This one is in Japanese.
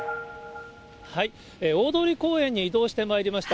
大通公園に移動してまいりました。